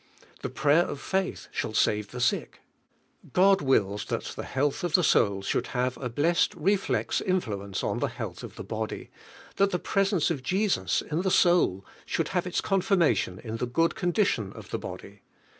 "The prayer of faith shall save the sick." God wills that the health nf the soul should have a blessed rellex indie H in f mi ( lii' health of I he body, that the presence of Jesus in the soul should have ils confirmation in the good condition of the body.